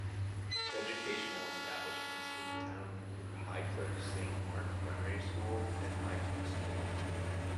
Educational establishments in the town include Highcliffe Saint Mark Primary School and Highcliffe School.